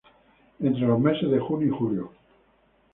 Entre los meses de junio y julio.